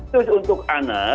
terus untuk anak